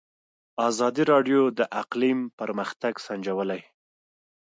ازادي راډیو د اقلیم پرمختګ سنجولی.